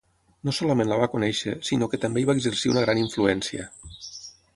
No solament la va conèixer, sinó que també hi va exercir una gran influència.